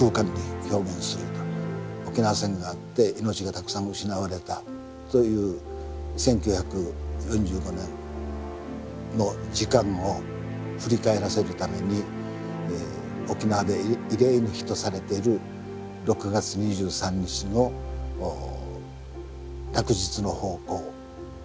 沖縄戦があって命がたくさん失われたそういう１９４５年の時間を振り返らせるために沖縄で慰霊の日とされている６月２３日の落日の方向と軸線を合わせるという。